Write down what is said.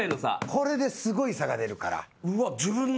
これですごい差が出るから。